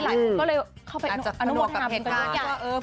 หลายคนก็เลยเข้าไปอนุโมทนาบุญกันทุกอย่าง